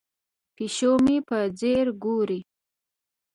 پیشو مې په ځیر ګوري.